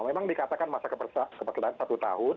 memang dikatakan masa kepatuhan satu tahun